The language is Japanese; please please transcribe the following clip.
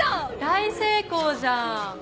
大成功じゃん。